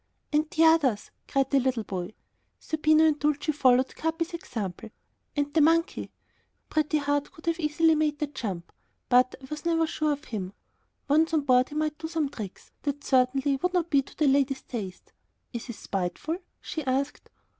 "And the others!" cried the little boy. Zerbino and Dulcie followed Capi's example. "And the monkey!" Pretty Heart could have easily made the jump, but I was never sure of him. Once on board he might do some tricks that certainly would not be to the lady's taste. "Is he spiteful?" she asked.